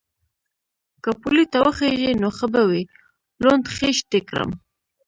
_که پولې ته وخېژې نو ښه به وي، لوند خيشت دې کړم.